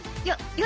よ